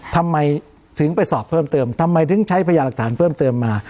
ทำไมถึงไปสอบเพิ่มเติมทำไมถึงใช้พยาหลักฐานเพิ่มเติมมา